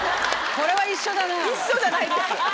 これは一緒だな。